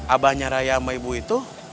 abahnya raya sama ibu itu